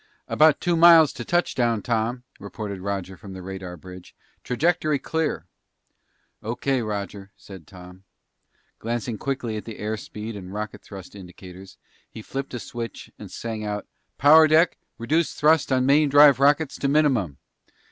"About two miles to touchdown, Tom," reported Roger from the radar bridge. "Trajectory clear!" "O.K., Roger," said Tom. Glancing quickly at the air speed and rocket thrust indicators, he flipped a switch and sang out, "Power deck, reduce thrust on main drive rockets to minimum!"